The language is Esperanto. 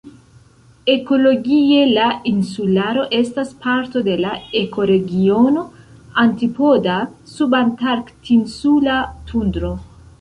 Ekologie, la insularo estas parto de la ekoregiono "antipoda-subantarktinsula tundro".